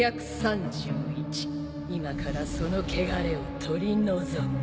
今からその穢れを取り除く。